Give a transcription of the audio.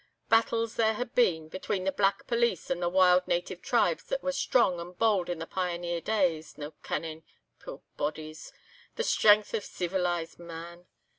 Battles had there been, between the black police and the wild native tribes that were strong and bold in the pioneer days, no kenning, puir bodies, the strength o' ceevilised man.